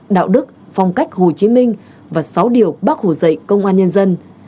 đạo đức phong cách hồ chí minh và sáu điều bác hồ dạy công an nhân dân